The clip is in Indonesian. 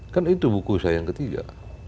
kan itu buku saya yang ketiga